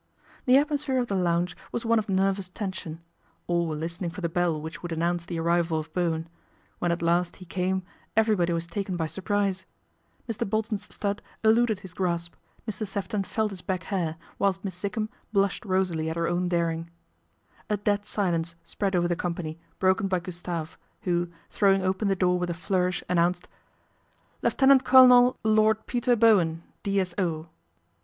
The atmosphere of the lounge was one of nervous tension. All were listening for the bell whicl would announce the arrival of Bowen. When last he came, everybody was taken by surprise Mr. Bolton 's stud eluded his grasp, Mr. Seftoi felt his back hair, whilst Miss Sikkum blushe< rosily at her own daring. GALVIN HOUSE MEETS A LORD 195 A dead silence spread over the company, broken by Gustave, who, throwing open the door with a flourish, announced "Lieutenant Colonel Lord Peter Bowen, D.s.o."